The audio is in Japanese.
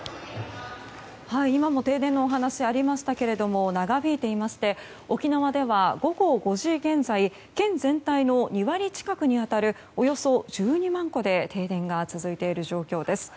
今も停電のお話ありましたけども長引いていまして沖縄では午後５時現在県全体の２割近くに当たるおよそ１２万戸で停電が続いている状況です。